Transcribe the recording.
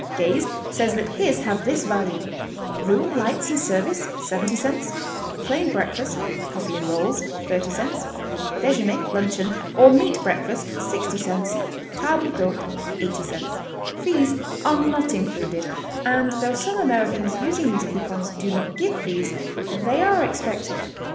Gaze says that his have this value: Room, lights, and service, $0.70; plain breakfast (coffee and rolls), $0.30; dejeuner (luncheon), or meat break fast, $0.60; table d'hote, $0.80. Fees are not included, and though some Americans using these coupons do not give fees, they are expected.